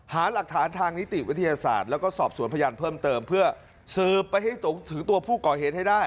หาหลักฐานทางนิติวิทยาศาสตร์แล้วก็สอบสวนพยานเพิ่มเติมเพื่อสืบไปให้ถึงตัวผู้ก่อเหตุให้ได้